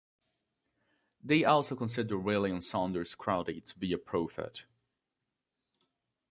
They also consider William Saunders Crowdy to be a prophet.